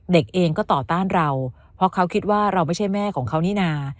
เด็กเองก็ต่อต้านเราเพราะเขาคิดว่าเราไม่ใช่แม่ของเขานี่นา